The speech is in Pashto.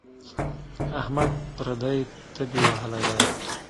احمد پردۍ تبې وهلی دی.